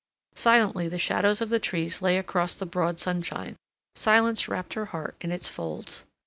Silently the shadows of the trees lay across the broad sunshine; silence wrapt her heart in its folds.